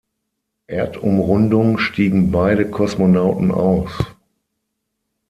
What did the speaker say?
Erdumrundung stiegen beide Kosmonauten aus.